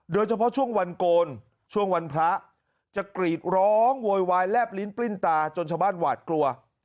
โดยเฉพาะช่วงวันโกนช่วงวันพระจะกรีดร้องโวยวายแลบลิ้นปลิ้นตาจนชาวบ้านหวาดกลัว